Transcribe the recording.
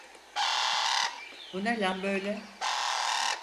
Bu ne lan böyle?